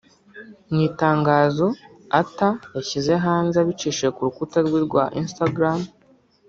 Mu itangazo Arthur yashyize hanze abicishije ku rukuta rwe rwa Instagram